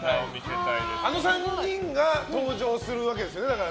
あの３人が登場するわけですね。